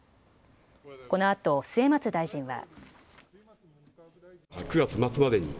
このあと末松大臣は。